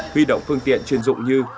huy động phương tiện chuyên dụng như